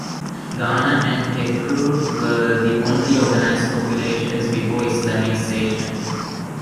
Ghana and Tekrur were the only organized populations before Islamization.